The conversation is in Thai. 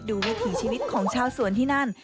วิถีชีวิตของชาวสวนที่นั่น